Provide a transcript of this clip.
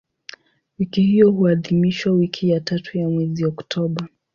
Wiki hiyo huadhimishwa wiki ya tatu ya mwezi Oktoba.